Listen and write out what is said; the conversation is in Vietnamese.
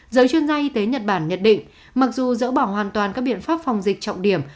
giới chuyên gia y tế nhật bản nhận định mặc dù dỡ bỏ hoàn toàn các biện pháp phòng dịch trọng điểm